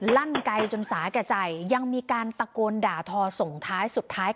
ลั่นไกลจนสาแก่ใจยังมีการตะโกนด่าทอส่งท้ายสุดท้าย